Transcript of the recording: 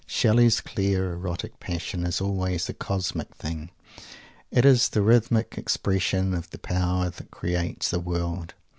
Shelley's clear, erotic passion is always a "cosmic" thing. It is the rhythmic expression of the power that creates the world.